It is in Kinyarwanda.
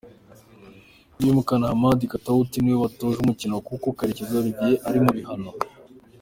Ndikumana Hamadi Katauti niwe watoje umukino kuko Karekezi Olivier ari mu bihano.